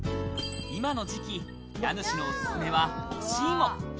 今の時期、家主のおすすめは干し芋。